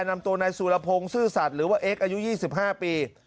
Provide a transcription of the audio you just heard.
นำตัวนายสุรพงศ์ซื่อสัตว์หรือว่าเอ็กซ์อายุ๒๕ปี